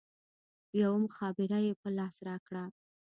يوه مخابره يې په لاس راکړه.